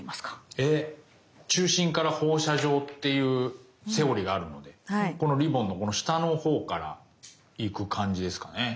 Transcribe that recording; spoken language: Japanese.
中心から放射状っていうセオリーがあるのでこのリボンの下のほうから行く感じですかね。